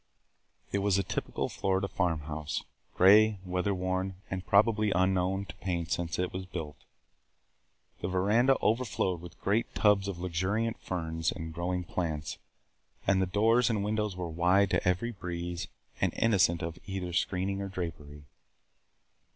It was the typical Florida farm house – gray, weather worn, and probably unknown to paint since it was built. The veranda overflowed with great tubs of luxuriant ferns and growing plants, and the doors and windows were wide to every breeze and innocent of either screening or drapery.